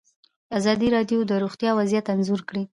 ازادي راډیو د روغتیا وضعیت انځور کړی.